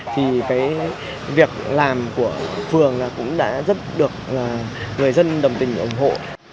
thì việc làm của phường cũng đã giúp được người dân đồng tình ủng hộ